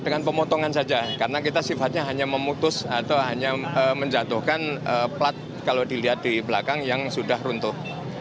dengan pemotongan saja karena kita sifatnya hanya memutus atau hanya menjatuhkan plat kalau dilihat di belakang yang sudah runtuh